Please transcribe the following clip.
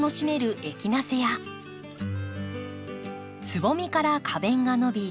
つぼみから花弁が伸び